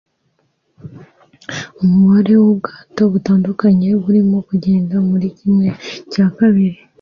Umubare wubwato butandukanye burimo kugenda muri kimwe cya kabiri